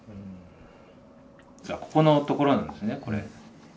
ここのところなんですねこれ。